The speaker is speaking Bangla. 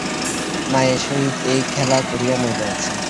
মায়ের সহিত এ খেলা করিয়া মজা আছে।